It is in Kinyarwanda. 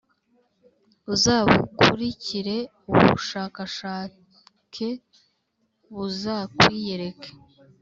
Uzabukurikire ubushakashake, buzakwiyereka,